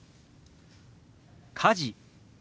「火事」。